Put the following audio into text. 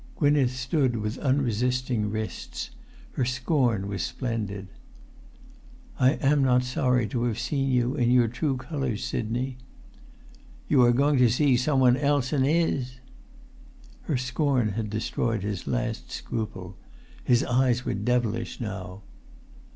Gwynneth stood with unresisting wrists. Her scorn was splendid. "I am not sorry to have seen you in your true colours, Sidney." "You are going to see some one else in his." Her scorn had destroyed his last scruple. His eyes were devilish now.